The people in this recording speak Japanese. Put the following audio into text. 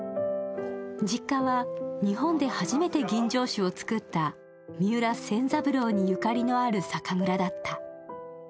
実家は日本で初めて吟醸酒を作った三浦仙三郎にゆかりのある酒蔵だった。